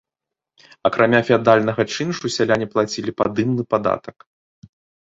Акрамя феадальнага чыншу, сяляне плацілі падымны падатак.